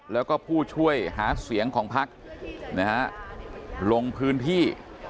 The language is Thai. แล้วก็ผู้ช่วยหาเสียงของพักนะฮะลงพื้นที่